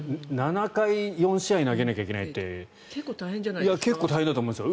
７回４試合投げなきゃいけないって結構大変だと思うんですよ。